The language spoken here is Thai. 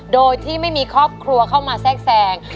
โดยที่ไม่มีครอบครัวเข้ามาแทรกแทรง